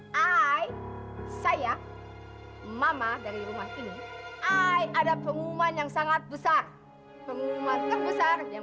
hai saya mama dari rumah ini ada pengumuman yang sangat besar pengumuman terbesar yang